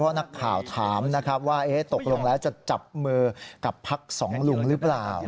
นักข่าวถามนะครับว่าตกลงแล้วจะจับมือกับพักสองลุงหรือเปล่า